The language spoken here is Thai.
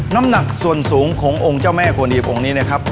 น้ำหนักส่วนสูงขององค์เจ้าแม่โคหีบองค์นี้นะครับ